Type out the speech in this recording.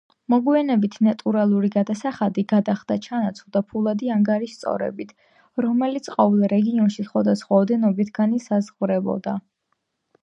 მოგვიანებით ნატურალური გადასახადი გადახდა ჩანაცვლდა ფულადი ანგარიშსწორებით, რომელიც ყოველ რეგიონში სხვადასხვა ოდენობით განისაზღვრებოდა.